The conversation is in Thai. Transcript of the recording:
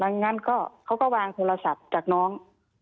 อย่างนั้นเขาก็วางโทรศัพท์จากน้อง